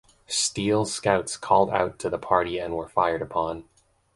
Steele's scouts called out to the party and were fired upon.